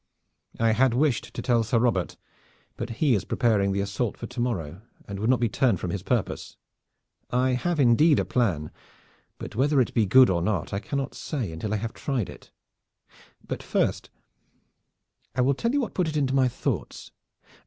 "I had wished to tell Sir Robert, but he is preparing the assault for to morrow and will not be turned from his purpose. I have indeed a plan, but whether it be good or not I cannot say until I have tried it. But first I will tell you what put it into my thoughts.